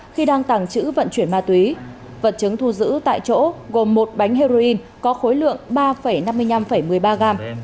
khi đang tàng trữ vận chuyển ma túy vật chứng thu giữ tại chỗ gồm một bánh heroin có khối lượng ba năm mươi năm một mươi ba gram